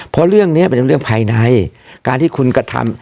เพราะเรื่องนี้เป็นเรื่องภายในการที่คุณกระทำ